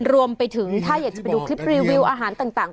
รวมไปถึงถ้าอยากจะไปดูคลิปรีวิวอาหารต่าง